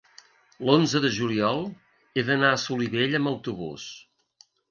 l'onze de juliol he d'anar a Solivella amb autobús.